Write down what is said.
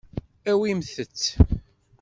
Awimt-tt.